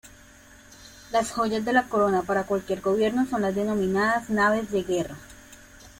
Las joyas de la corona para cualquier gobierno son las denominadas Naves de Guerra.